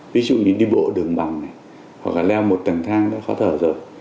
ví dụ như đi bộ đường bằng này hoặc là leo một tầng thang là khó thở rồi